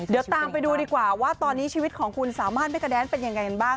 เดี๋ยวตามไปดูดีกว่าว่าตอนนี้ชีวิตของคุณสามารถเมกาแดนเป็นยังไงกันบ้าง